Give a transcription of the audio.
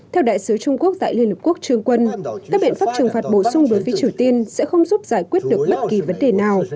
theo đại sứ trung quốc tại liên hợp quốc trương quân các biện pháp trừng phạt bổ sung đối với triều tiên sẽ không giúp giải quyết được bất kỳ vấn đề nào